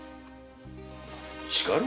叱る？